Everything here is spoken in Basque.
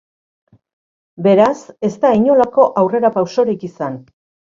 Beraz, ez da inolako aurrerapausorik izan.